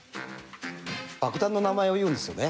爆弾の名前を言うんですよね。